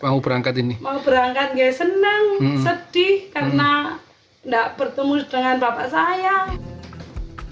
panggung berangkat senang sedih karena tidak bertemu dengan bapak saya